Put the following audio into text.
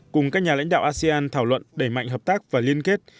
cùng các nhà lãnh đạo asean thảo luận đẩy mạnh hợp tác và liên kết